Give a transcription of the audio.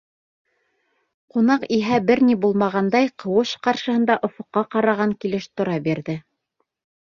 Ҡунаҡ иһә, бер ни булмағандай, ҡыуыш ҡаршыһында офоҡҡа ҡараған килеш тора бирҙе.